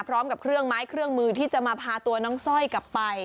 พร้อมกับเครื่องไม้เครื่องมือที่จะมาพาตัวน้องสร้อยกลับไป